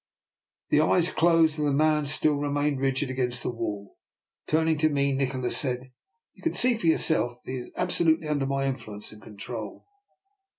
The eyes closed, and yet the man still re mained rigid against the wall. Turning to me, Nikola said: —" You can see for yourself that he is abso lutely under my influence and control."